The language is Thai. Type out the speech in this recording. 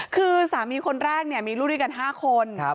คือสามีคนแรกมีลูกด้วยกัน๕คน